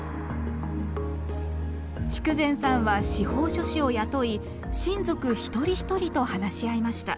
筑前さんは司法書士を雇い親族一人一人と話し合いました。